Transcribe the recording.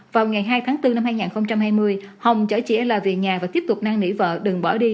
vào ngày hai tháng bốn năm hai nghìn hai mươi hồng chở chị l về nhà và tiếp tục năng nỉ vợ đừng bỏ đi